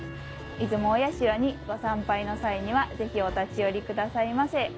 出雲大社に御参拝の際には、ぜひお立ち寄りくださいませ。